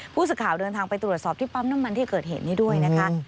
ผู้สื่อข่าวเดินทางไปตรวจสอบที่ปั๊มน้ำมันที่เกิดเหตุนี้ด้วยนะคะ